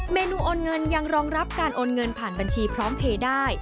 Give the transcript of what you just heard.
เมนูโอนเงินยังรองรับการโอนเงินผ่านบัญชีพร้อมเพลย์ได้